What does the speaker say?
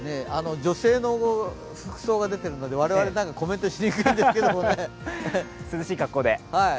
女性の服装が出てるので我々、コメントしにくいんですけど涼しい格好で。